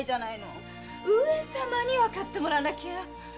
上様にわかってもらわなきゃ！